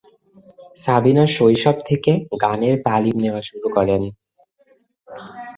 সাবিনা শৈশব থেকে গানের তালিম নেওয়া শুরু করেন।